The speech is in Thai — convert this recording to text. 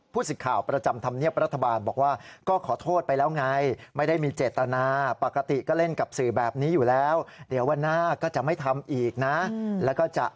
เพราะฉะนั้นทุกคนก็ต้องปลอดภัยเดี๋ยวจ้ะ